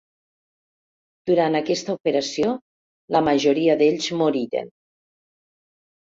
Durant aquesta operació, la majoria d'ells moriren.